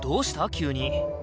急に。